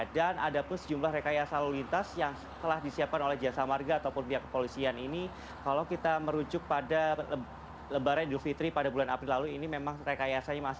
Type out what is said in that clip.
dan ada pun sejumlah rekayasa lalu lintas yang telah disiapkan oleh jasa marga ataupun pihak kepolisian ini kalau kita merujuk pada lebaran di dufitri pada bulan april lalu ini memang rekayasanya